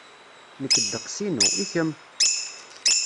Nekk ddeqs-inu, i kemm?